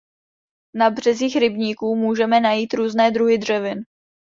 Na březích rybníků můžeme najít různé druhy dřevin.